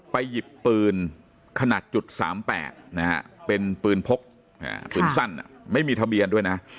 หยิบปืนขนาด๓๘นะฮะเป็นปืนพกปืนสั้นไม่มีทะเบียนด้วยนะ